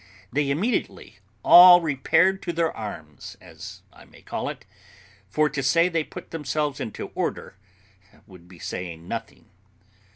They immediately all repaired to their arms, as I may call it; for to say they put themselves into order would be saying nothing.